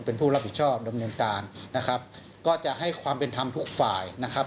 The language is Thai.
เป็นผู้รับผิดชอบดำเนินการนะครับก็จะให้ความเป็นธรรมทุกฝ่ายนะครับ